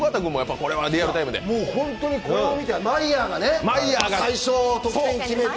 これを見てマイヤーがね、最初得点を決めて。